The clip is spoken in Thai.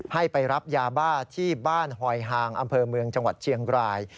ให้ไปรับยาบ้าที่บ้านหอยหางอำเภอเมืองจังหวัดเชียงราย